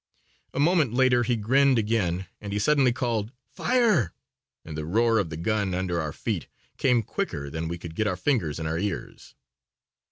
A moment later he grinned again and he suddenly called, "Fire," and the roar of the gun under our feet came quicker than we could get our fingers in our ears.